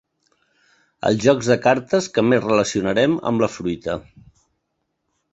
Els jocs de cartes que més relacionarem amb la fruita.